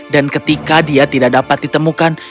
dan ketika dia tidak dapat ditemukan